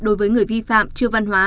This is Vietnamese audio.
đối với người vi phạm chưa văn hóa